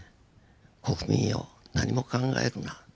国民よ何も考えるな。